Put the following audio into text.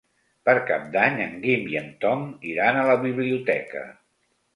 Per Cap d'Any en Guim i en Tom iran a la biblioteca.